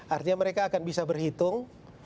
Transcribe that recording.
artinya mereka akan bisa berhitung